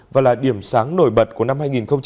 và là điểm sáng nổi bật của năm hai nghìn hai mươi